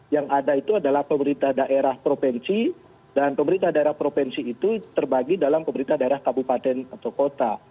yang ada itu adalah pemerintah daerah provinsi dan pemerintah daerah provinsi itu terbagi dalam pemerintah daerah kabupaten atau kota